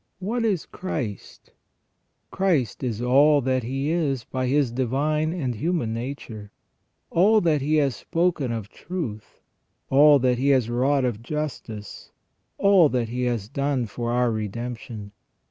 What is Christ ? Christ is all that He is by His divine and human nature ; all that He has spoken of truth ; all that He has wrought of justice; all that He has done for our redemption.